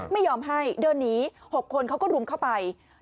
ไม่ยอมให้เดินหนี๖คนเขาก็รุมเข้าไป